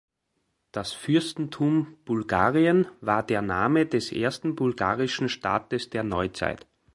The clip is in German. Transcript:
Das Fürstentum Bulgarien war der Name des ersten bulgarischen Staates der Neuzeit.